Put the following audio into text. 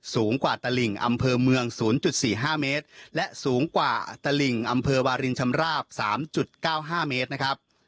สูงกว่าตลิ่งอำเภอเมือง๐๔๕เมตรและสูงกว่าตลิ่งอำเภอวารินชำราบ๓๙๕เมตรนะครับ